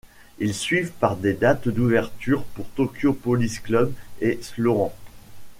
Ils suivent par des dates d'ouverture pour Tokyo Police Club, et Sloan.